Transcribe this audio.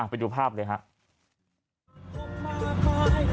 ไปดูภาพเลยครับ